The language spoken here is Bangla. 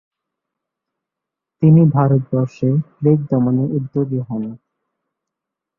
তিনি ভারতবর্ষে প্লেগ দমনে উদ্যোগী হন।